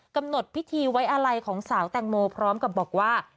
กำหนดพิธีไว้อาลัยของสาวแตงโมพร้อมกับบอกว่า